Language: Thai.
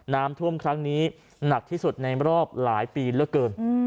น้ำท่วมครั้งนี้หนักที่สุดในรอบหลายปีเหลือเกิน